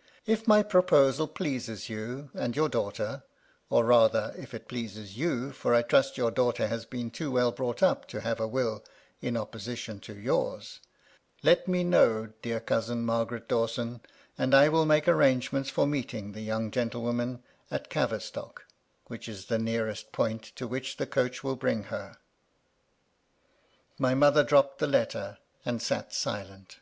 • If my proposal pleases you and your daughter — or * rather, if it pleases you, for I trust your daughter has * been too well brought up to have a will in opposition ' to yours — let me know, dear cousin Margaret Dawson, ' and I will make arrangements for meeting the young * gentlewcMnan at Cavistock, which is the nearest point * to which the coach will bring her.' My mother dropped the letter, and sat silent.